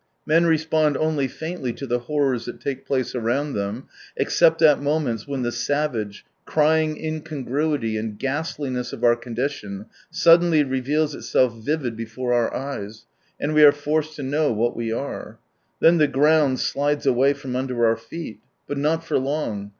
Men respond only faintly to the horrors that take place around them, except at moments, when the savage, crying incongruity and ghastliness of our condition suddenly reveals itself vivid before our eyes, and we are forced to know what we are. Then the ground slides away from under our feet. But not for long.